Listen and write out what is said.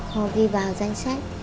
họ ghi vào danh sách